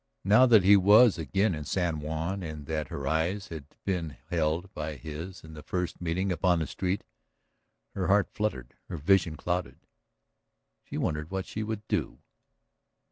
Now that he was again in San Juan and that her eyes had been held by his in the first meeting upon the street, her heart fluttered, her vision clouded, she wondered what she would do.